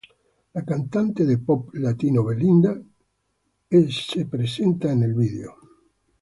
La cantante de pop latino Belinda es presentada en el video.